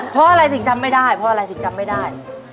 เพราะอะไรสิ่งจำไม่ได้เพราะอะไรสิงจำไม่ได้